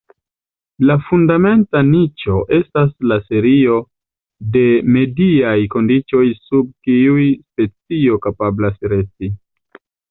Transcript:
La fundamenta niĉo estas la serio de mediaj kondiĉoj sub kiuj specio kapablas resti.